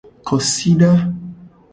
Kosida.